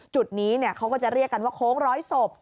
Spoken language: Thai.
จุดนี้เขาก็จะเรียกกันว่าโค้งร้อยศพ